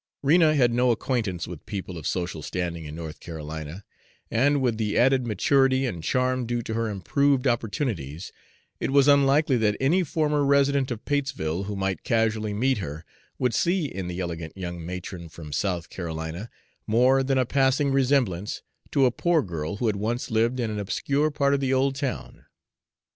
Rena had no acquaintance with people of social standing in North Carolina; and with the added maturity and charm due to her improved opportunities, it was unlikely that any former resident of Patesville who might casually meet her would see in the elegant young matron from South Carolina more than a passing resemblance to a poor girl who had once lived in an obscure part of the old town.